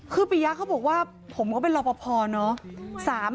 คือปียะเขาบอกว่าผมก็เป็นรอปภเนาะ